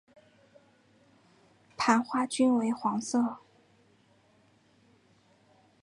盘花均为黄色。